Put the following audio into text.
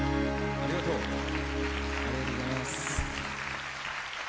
ありがとうございます。